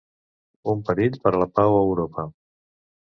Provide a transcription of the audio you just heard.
Un perill per a la pau a Europa.